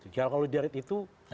jangan kalau diarut itu